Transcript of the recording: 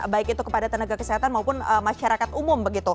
baik itu kepada tenaga kesehatan maupun masyarakat umum begitu